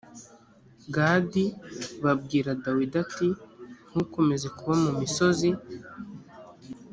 gadi b abwira dawidi ati ntukomeze kuba mu misozi